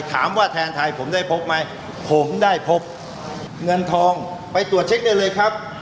ถามว่าแทนไทยผมได้พบไหมผมได้พบเงินทองไปตรวจเช็คได้เลยครับ